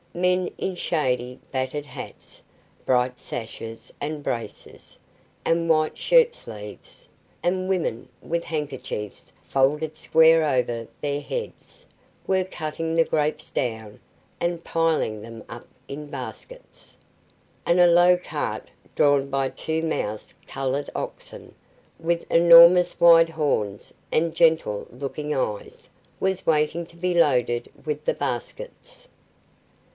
Men in shady battered hats, bright sashes and braces, and white shirt sleeves, and women with handkerchiefs folded square over their heads, were cutting the grapes down, and piling them up in baskets; and a low cart drawn by two mouse coloured oxen, with enormous wide horns and gentle looking eyes, was waiting to be loaded with the baskets.